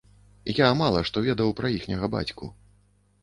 Я мала што ведаў пра іхняга бацьку.